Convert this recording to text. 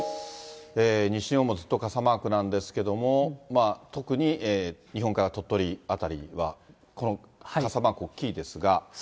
西日本もずっと傘マークなんですけども、特に、日本海側の鳥取辺りはこの傘マーク大きいですが。